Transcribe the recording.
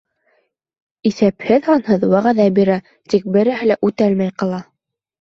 Иҫәпһеҙ-һанһыҙ вәғәҙә бирә. тик береһе лә үтәлмәй ҡала.